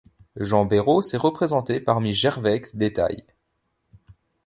Jean Béraud s'est représenté parmi Gervex, Detaille.